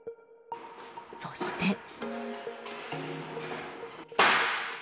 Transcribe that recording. そして。